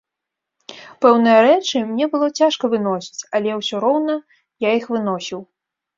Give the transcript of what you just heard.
Пэўныя рэчы мне было цяжка выносіць, але ўсе роўна я іх выносіў.